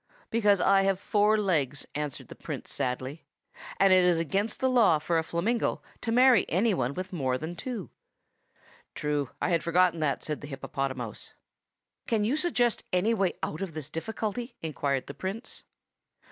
"Because I have four legs," answered the Prince sadly; "and it is against the law for a flamingo to marry any one with more than two." "True. I had forgotten that," said the hippopotamouse. "Can you suggest any way out of the difficulty?" inquired the Prince.